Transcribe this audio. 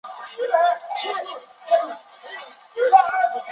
殿试登进士第二甲第一百零九名。